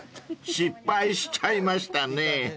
［失敗しちゃいましたね］